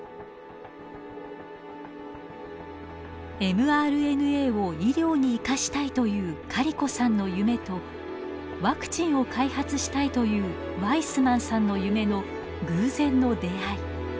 ｍＲＮＡを医療に生かしたいというカリコさんの夢とワクチンを開発したいというワイスマンさんの夢の偶然の出会い。